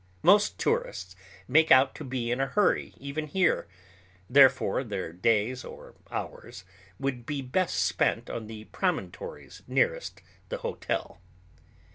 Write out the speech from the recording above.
Most tourists make out to be in a hurry even here; therefore their days or hours would be best spent on the promontories nearest the hotel.